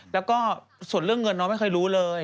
แล้วก็ส่วนเรื่องเงินน้องไม่เคยรู้เลย